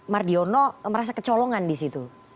mardiono merasa kecolongan di situ